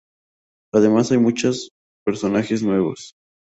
Además hay muchos personajes nuevos.